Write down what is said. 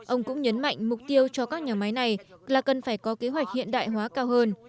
ông cũng nhấn mạnh mục tiêu cho các nhà máy này là cần phải có kế hoạch hiện đại hóa cao hơn